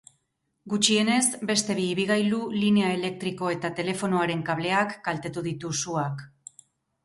Gutxienez beste bi ibilgailu, linea elektrikoa eta telefonoaren kableak kaltetu ditu suak.